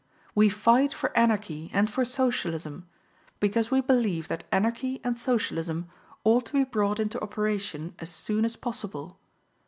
We fight for Anarchy and for Socialism; because we believe that Anarchy and Socialism ought to be brought into operation as soon as possible.